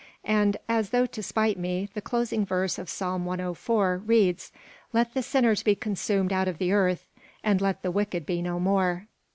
And, as though to spite me, the closing verse of Psalm 104 reads, "Let the sinners be consumed out of the earth and let the wicked be no more."